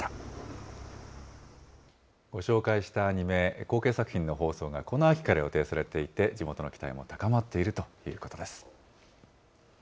ご紹介したアニメ、後継作品の放送がこの秋から予定されていて、地元の期待も高まっているということです。